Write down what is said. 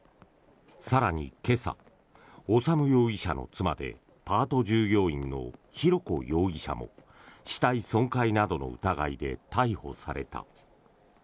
更に今朝、修容疑者の妻でパート従業員の浩子容疑者も死体損壊などの疑いで逮捕された。